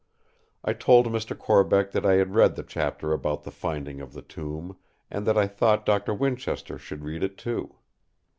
I told Mr. Corbeck that I had read the chapter about the finding of the tomb, and that I thought Doctor Winchester should read it, too.